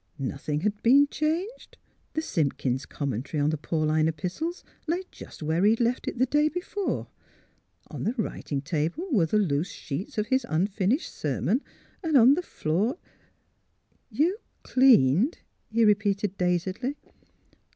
Nothing had been changed: the Simpkin's Com mentary on the Pauline Epistles lay just where he had left it the day before; on the writing table were the loose sheets of his unfinished ser mon ; and on the floor " You — cleaned " he repeated, dazedly.